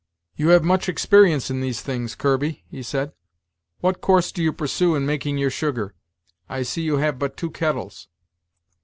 "You have much experience in these things, Kirby," he said; "what course do you pursue in making your sugar? I see you have but two kettles."